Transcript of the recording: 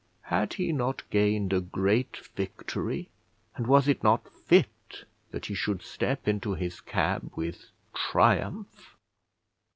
Had he not gained a great victory, and was it not fit that he should step into his cab with triumph?